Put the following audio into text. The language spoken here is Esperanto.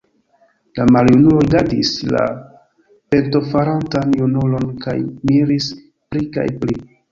La maljunulo rigardis la pentofarantan junulon kaj miris pli kaj pli.